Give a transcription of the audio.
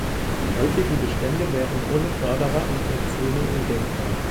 Die heutigen Bestände wären ohne Förderer und Mäzene undenkbar.